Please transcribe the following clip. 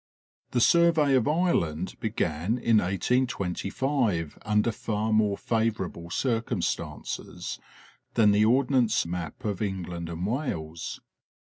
The survey of Ireland began in 1825 under far more favorable circumstances than the Ordnance map of England and Wales.